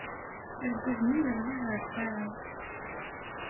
Argaz-nni yeɣli ɣer lqaɛa.